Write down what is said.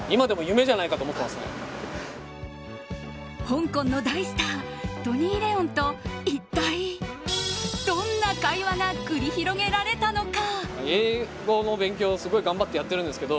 香港の大スタートニー・レオンと一体どんな会話が繰り広げられたのか。